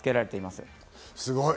すごい！